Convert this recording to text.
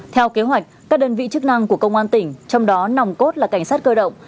theo kế hoạch các đơn vị chức năng của công an tỉnh trong đó nòng cốt là cảnh sát cơ động